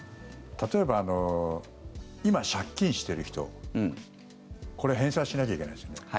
例えば、今、借金してる人これ返済しなきゃいけないですよね。